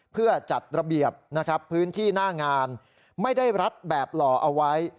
เพื่อจัดระเบียบนะครับพื้นที่หน้างานไม่ได้รัดแบบหล่อเอาไว้